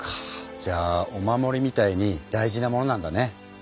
じゃあお守りみたいに大事なものなんだね。